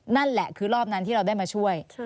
นั่นแหละคือรอบนั้นที่เราได้มาช่วย